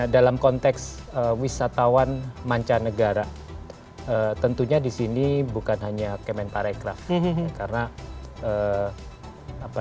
dalam konteks wisatawan mancanegara tentunya di sini bukan hanya kementerian pariwisata